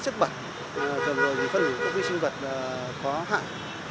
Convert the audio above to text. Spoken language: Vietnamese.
gần rồi thì phân hủy các vi sinh vật có hại